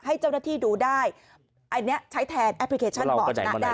ให้เจ้าหน้าที่ดูได้อันนี้ใช้แทนแอปพลิเคชันบอกชนะได้